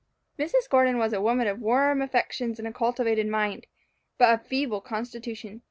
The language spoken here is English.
Mrs. Gordon was a woman of warm affections and cultivated mind, but of feeble constitution.